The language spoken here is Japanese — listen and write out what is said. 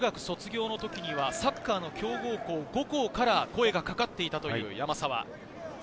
中学卒業の時にはサッカーの強豪校５校から声がかかっていた山沢。